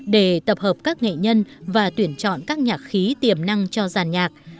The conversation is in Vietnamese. để tập hợp các nghệ nhân và tuyển chọn các nhạc khí tiềm năng cho giàn nhạc